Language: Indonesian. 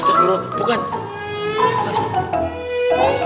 tidak tidak tidak